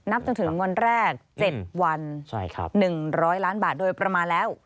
จนถึงวันแรก๗วัน๑๐๐ล้านบาทโดยประมาณแล้ว